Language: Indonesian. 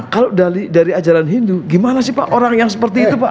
kalau dari ajaran hindu gimana sih pak orang yang seperti itu pak